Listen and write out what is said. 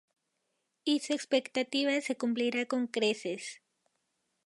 Y su expectativa se cumplirá con creces.